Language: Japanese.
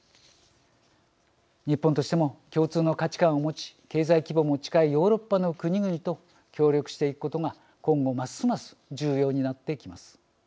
日本としても共通の価値観を持ち経済規模も近いヨーロッパの国々と協力していくことが今後ますます重要になってきます。